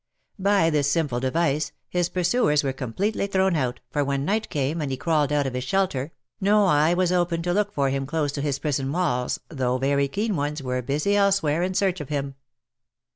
By this simple device his pur suers were completely thrown out, for when night came and he crawled out from his shelter, no eye was open to look for him close to his prison walls, though very keen ones were busy elsewhere in search of him.